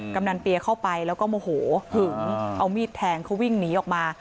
กำนันเปียเข้าไปแล้วก็โมโหหึงเอามีดแทงเขาวิ่งหนีออกมา